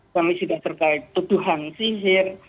femisida terkait tuduhan sihir